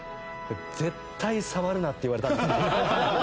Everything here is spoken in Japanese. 絶対触るなって言われたんですけど。